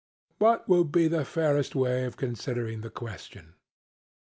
What will be the fairest way of considering the question?